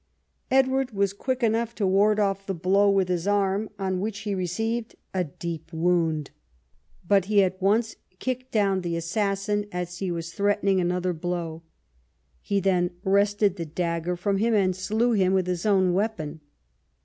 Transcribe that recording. Edward was quick enough to ward off the blow with his arm, on which he received a deep wound. But he at once kicked down the assassin as he was threatening another blow. He then wrested the dagger from him and slew him with his own weapon.